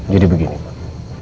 jadi begini pak